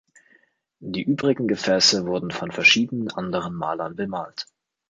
Die übrigen Gefäße wurden von verschiedenen anderen Malern bemalt.